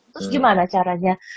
terus gimana caranya